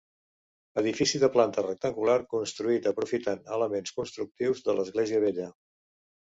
Edifici de planta rectangular construït aprofitant elements constructius de l'església vella.